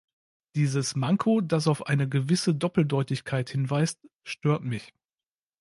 Dieses Manko, das auf eine gewisse Doppeldeutigkeit hinweist, stört mich.